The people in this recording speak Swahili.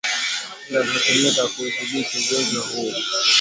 zinazotumika kuudhibiti ugonjwa huu